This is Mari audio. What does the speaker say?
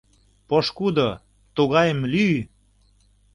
Пошкудо, тугайым лӱй!